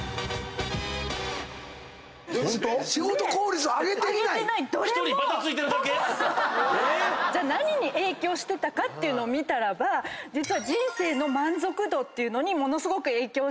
ホント⁉仕事効率を上げていない⁉じゃあ何に影響してたかっていうのを見たらば実は人生の満足度っていうのにものすごく影響していて。